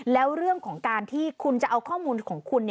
แล้วเรื่องของการที่คุณจะเอาข้อมูลของคุณ